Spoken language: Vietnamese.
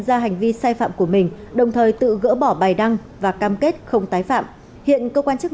ra hành vi sai phạm của mình đồng thời tự gỡ bỏ bài đăng và cam kết không tái phạm hiện cơ quan chức